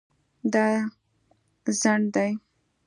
دا ځنډ دی